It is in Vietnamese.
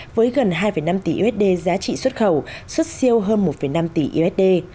với gần hai năm tỷ usd giá trị xuất khẩu xuất siêu hơn một năm tỷ usd